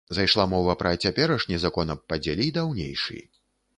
Зайшла мова пра цяперашні закон аб падзеле й даўнейшы.